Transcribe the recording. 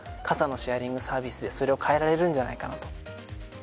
傘のシェアリングサービスでそれを変えられるんじゃないかなと。